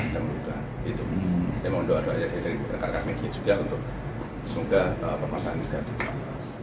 saya mohon doanya dari rekan rekan media juga untuk semoga permasalahan ini segar segar